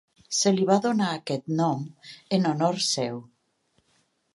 Se li va donar aquest nom en honor seu.